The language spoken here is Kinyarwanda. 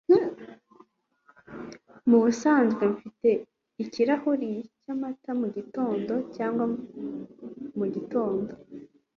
Mubusanzwe mfite ikirahuri cyamata mugitondo cya mugitondo.